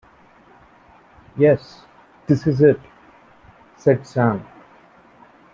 ‘Yes, this is it,’ said Sam.